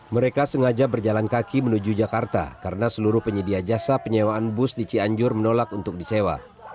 mereka sengaja berjalan kaki menuju jakarta karena seluruh penyedia jasa penyewaan bus di cianjur menolak untuk disewa